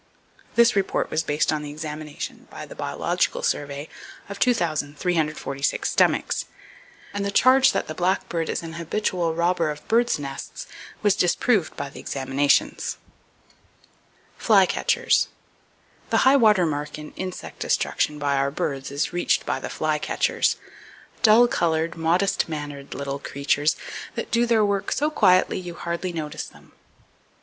This report was based on the examination (by the Biological Survey) of 2,346 stomachs, and "the charge that the blackbird is an habitual robber of birds' nests was disproved by the examinations." (F.E.L. Beal.) Flycatchers. —The high water mark in insect destruction by our birds is [Page 223] reached by the flycatchers,—dull colored, modest mannered little creatures that do their work so quietly you hardly notice them.